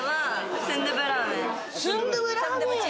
スンドゥブラーメン。